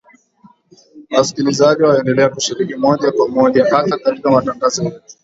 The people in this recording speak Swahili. Wasikilizaji waendelea kushiriki moja kwa moja hasa katika matangazo yetu ya Maswali na Majibu na Salamu Zenu.